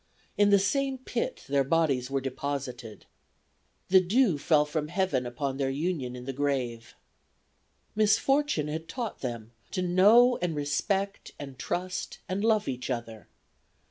In the same pit their bodies were deposited. The dew fell from Heaven upon their union in the grave. "Misfortune had taught them to know and respect and trust and love each other.